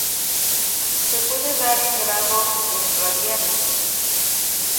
Se puede dar en grados o en radianes.